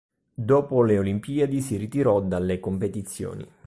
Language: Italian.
Dopo le Olimpiadi si ritirò dalle competizioni.